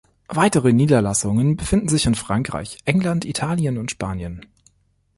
Weitere Niederlassungen befinden sich in Frankreich, England, Italien und Spanien.